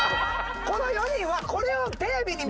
この４人はこれをテレビで。